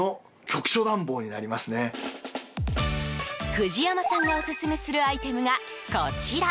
藤山さんがオススメするアイテムが、こちら。